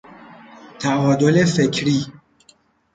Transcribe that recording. تعادل فکری